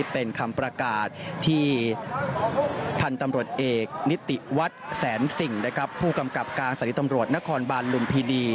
เป็นคำประกาศที่พันธุ์ตำรวจเอกนิติวัฒน์แสนสิ่งนะครับผู้กำกับการสถานีตำรวจนครบาลลุมพินี